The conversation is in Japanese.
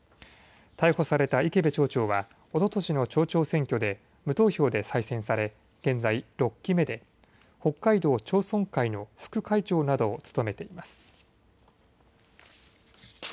逮捕された池部町長はおととしの町長選挙で無投票で再選され現在６期目で北海道町村会の副会長などを務めています。